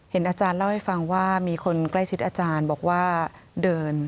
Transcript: อาจารย์เล่าให้ฟังว่ามีคนใกล้ชิดอาจารย์บอกว่าเดิน